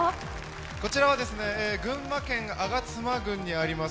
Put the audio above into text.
こちらは群馬県吾妻郡にあります